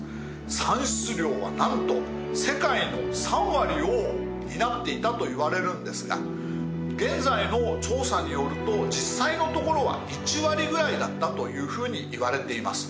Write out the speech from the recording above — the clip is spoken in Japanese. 産出量は何と世界の３割を担っていたといわれるんですが現在の調査によると実際のところは１割ぐらいだったというふうにいわれています。